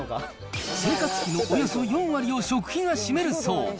生活費のおよそ４割を食費が占めるそう。